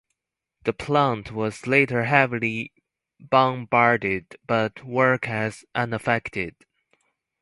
The plant was later heavily bombarded, but work was unaffected.